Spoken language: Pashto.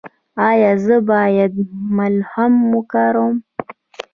ایا زه باید ملهم وکاروم؟